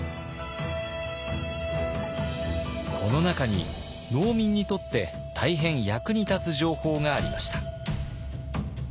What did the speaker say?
この中に農民にとって大変役に立つ情報がありました。